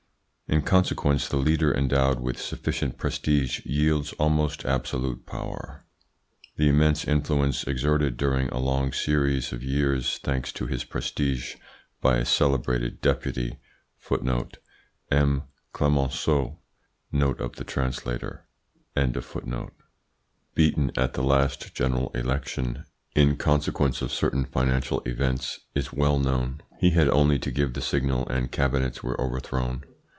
In consequence the leader endowed with sufficient prestige wields almost absolute power. The immense influence exerted during a long series of years, thanks to his prestige, by a celebrated Deputy, beaten at the last general election in consequence of certain financial events, is well known. He had only to give the signal and Cabinets were overthrown.